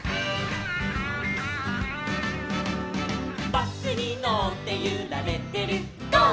「バスにのってゆられてるゴー！